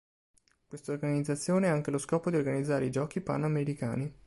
Quest'organizzazione ha anche lo scopo di organizzare i Giochi panamericani.